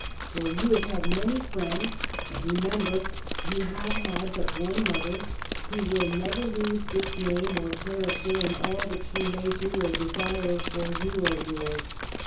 For you have had many friends ; but remember, you have had but one mother, who will never lose this name or character in all that she may do or desire for you or yours.